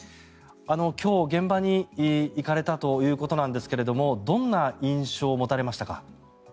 今日、現場に行かれたということなんですがどんな印象を持たれましたか？